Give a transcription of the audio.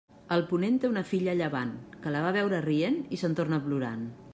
El ponent té una filla a llevant, que la va a veure rient i se'n torna plorant.